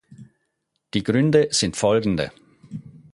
Die Gründe sind folgende.